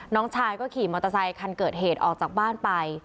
น้องชายก็ขี่มอเตอร์ไซคันเกิดเหตุออกจากบ้านไป